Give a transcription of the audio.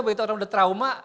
begitu orang udah trauma